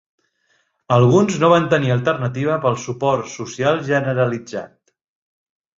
Alguns no van tenir alternativa pel suport social generalitzat.